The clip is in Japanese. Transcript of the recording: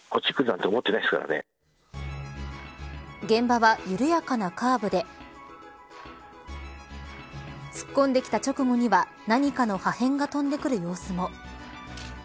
現場は緩やかなカーブで突っ込んできた直後には何かの破片が飛んでくる様子も。